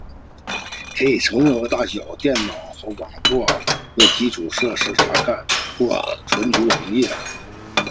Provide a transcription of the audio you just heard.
可以从任何大小以电脑和网际网路为基础的设备查看或存取网页。